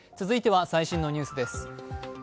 続いては最新のニュースです。